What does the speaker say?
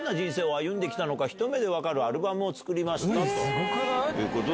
すごくない？